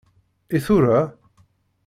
I tura?